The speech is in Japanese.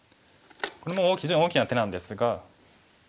これも非常に大きな手なんですが。